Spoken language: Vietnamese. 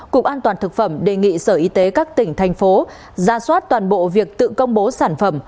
cục an toàn thực phẩm đề nghị sở y tế các tỉnh thành phố ra soát toàn bộ việc tự công bố sản phẩm